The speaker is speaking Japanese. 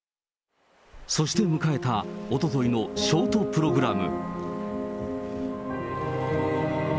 そして迎えたおとといのショートプログラム。